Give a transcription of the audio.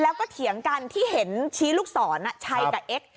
แล้วก็เถียงกันที่เห็นชี้ลูกศรชัยกับเอ็กซ์